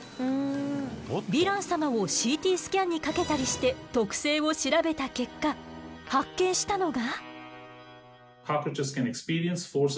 ヴィラン様をＣＴスキャンにかけたりして特性を調べた結果発見したのが。